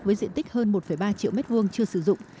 với diện tích hơn một ba triệu m hai chưa sử dụng